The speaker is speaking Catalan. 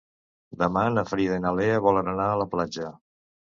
Demà na Frida i na Lea volen anar a la platja.